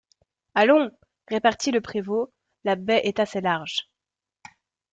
Allons! repartit le prévôt, la baie est assez large.